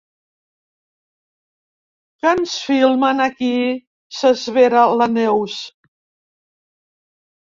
Que ens filmen, aquí? —s'esvera la Neus.